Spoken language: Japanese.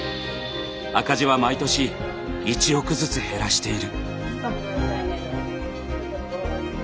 赤字は毎年１億ずつ減らしている。